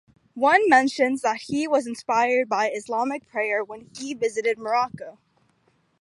One mentions that he was inspired by Islamic prayer when he visited Morocco.